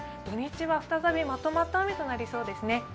土日は再びまとまった雨となりそうですね。